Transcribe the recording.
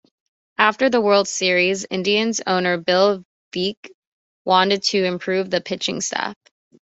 After the World Series, Indians owner Bill Veeck wanted to improve the pitching staff.